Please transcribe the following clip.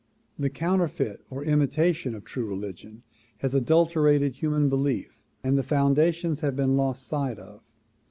The counterfeit or imitation of true religion has adulterated human belief and the foundations have been lost sight of.